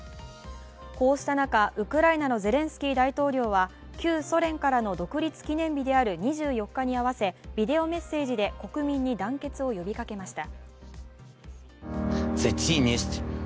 こうした中、ウクライナのゼレンスキー大統領は旧ソ連からの独立記念日である２４日に合わせビデオメッセージで国民に団結を呼びかけました。